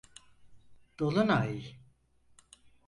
Dolunay…